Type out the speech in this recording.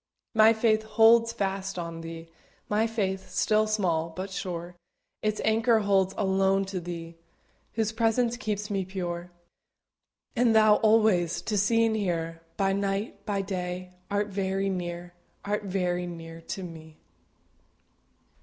My faith holds fast on Thee, My faith, still small, but sure, Its anchor holds alone to Thee, Whose presence keeps me pure. And Thou alway, To see and hear, By night, by day, Art very near Art very near to me.